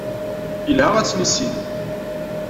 Yelha ad t-nissin.